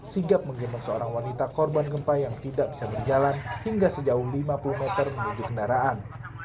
sigap menggembong seorang wanita korban gempa yang tidak bisa berjalan hingga sejauh lima puluh meter menuju kendaraan